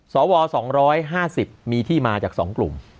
สว๒๕๐มีที่มาจาก๒กลุ่ม